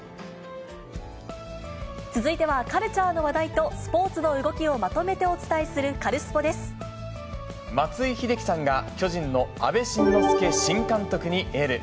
続いては、カルチャーの話題とスポーツの動きをまとめてお伝えするカルスポ松井秀喜さんが、巨人の阿部慎之助新監督にエール。